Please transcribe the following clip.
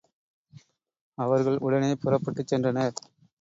அவர்கள் உடனே புறப்பட்டுச் சென்றனர்.